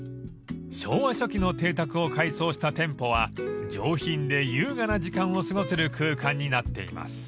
［昭和初期の邸宅を改装した店舗は上品で優雅な時間を過ごせる空間になっています］